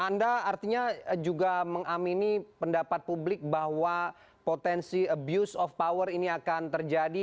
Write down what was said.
anda artinya juga mengamini pendapat publik bahwa potensi abuse of power ini akan terjadi